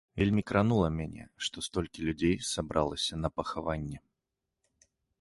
Вельмі кранула мяне, што столькі людзей сабралася на пахаванне.